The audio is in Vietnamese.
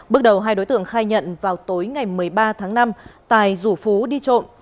bước đầu hai đối tượng khai nhận vào tối ngày một mươi ba tháng năm tài rủ phú đi trộm